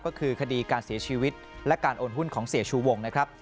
ก็คือคดีการเสียชีวิตและการโอนหุ้นของเสียชูวงนะครับ